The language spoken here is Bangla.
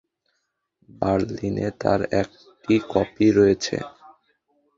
বার্লিনে তার একটি কপি রয়েছে।